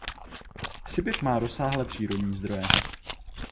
Sibiř má rozsáhlé přírodní zdroje.